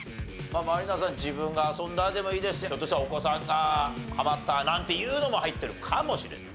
自分が遊んだでもいいですしひょっとしたらお子さんがハマったなんていうのも入ってるかもしれない。